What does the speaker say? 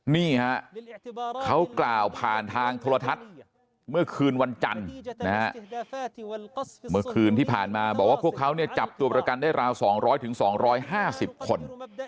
นี่ฮะเขากล่าวผ่านทางโทรทัศน์เมื่อคืนวันจันทร์นะฮะเมื่อคืนที่ผ่านมาบอกว่าพวกเขาเนี่ยจับตัวประกันได้ราว๒๐๐๒๕๐คน